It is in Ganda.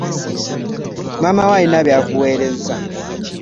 Maama wo alina byakuwerezza.